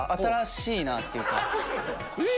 えっ？